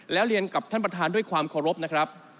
แล้วเรียนกับท่านประธานด้วยความเคารพนะครับ